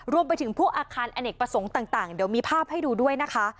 รวมไปถึงพวกอาคารอเนกประสงค์ต่างเดี๋ยวมีภาพให้ดูด้วยนะคะ